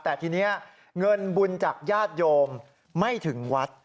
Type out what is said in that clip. แต่ทีนี้เงินบุญจากญาติโยมไม่ถึงวัด